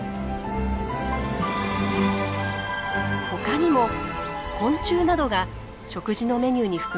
他にも昆虫などが食事のメニューに含まれます。